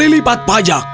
tiga kali lipat pajak